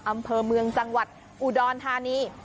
อำเภอเมืองจังหวัดอุดรธานี